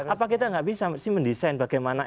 apa kita tidak bisa mendesain bagaimana